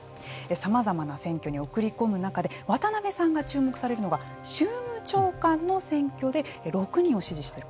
さまざまな選挙に送り込む中で渡辺さんが注目されるのが州務長官の選挙で６人を支持している。